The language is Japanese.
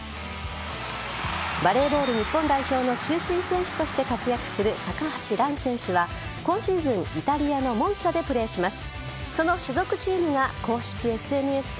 バレーボール日本代表の中心選手として活躍する高橋藍選手は今シーズンイタリアのモンツァでプレーします。